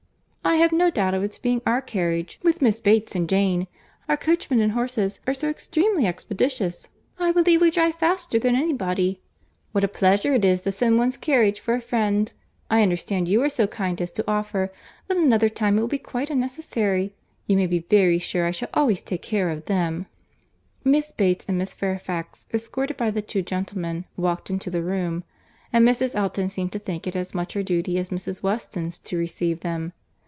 "I have no doubt of its being our carriage with Miss Bates and Jane. Our coachman and horses are so extremely expeditious!—I believe we drive faster than any body.—What a pleasure it is to send one's carriage for a friend!—I understand you were so kind as to offer, but another time it will be quite unnecessary. You may be very sure I shall always take care of them." Miss Bates and Miss Fairfax, escorted by the two gentlemen, walked into the room; and Mrs. Elton seemed to think it as much her duty as Mrs. Weston's to receive them.